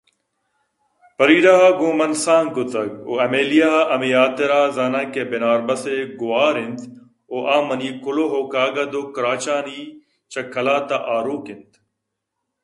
فریڈا ءَگوں من سانگ کُتگءُایملیا ءَ ہمے حاترا زاناں کہ بناربس ءِگوٛہار اِنت ءُآمنی کلوہ ءُکاگد ءُکراچانی چہ قلات ءَ آروک اِنت